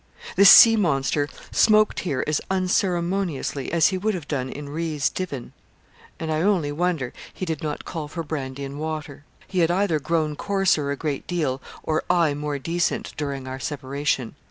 This sea monster smoked here as unceremoniously as he would have done in 'Rees's Divan,' and I only wonder he did not call for brandy and water. He had either grown coarser a great deal, or I more decent, during our separation.